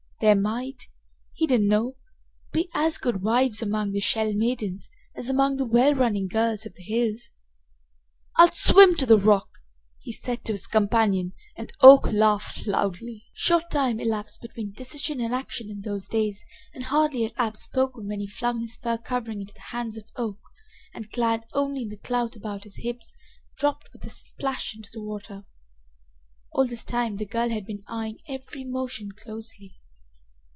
There might, he didn't know be as good wives among the Shell maidens as among the well running girls of the hills. "I'll swim to the rock!" he said to his companion, and Oak laughed loudly. Short time elapsed between decision and action in those days, and hardly had Ab spoken when he flung his fur covering into the hands of Oak, and, clad only in the clout about his hips, dropped, with a splash, into the water. All this time the girl had been eyeing every motion closely.